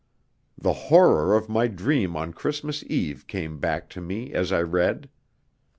The horror of my dream on Christmas Eve came back to me as I read.